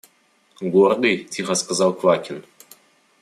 – Гордый, – тихо сказал Квакин.